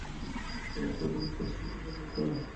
তিনি হাস্যোদ্দীপক চতুষ্পদী ছড়া রচনা করতেন।